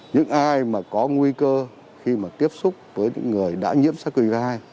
những ai mà có nguy cơ khi mà tiếp xúc với những người đã nhiễm sars cov hai